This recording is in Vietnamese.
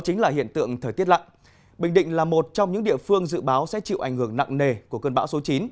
hình thời tiết lặng bình định là một trong những địa phương dự báo sẽ chịu ảnh hưởng nặng nề của cơn bão số chín